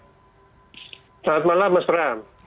selamat malam mas ram